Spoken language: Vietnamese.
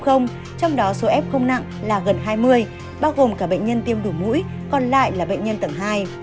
trong đó số f không nặng là gần hai mươi bao gồm cả bệnh nhân tiêm đủ mũi còn lại là bệnh nhân tầng hai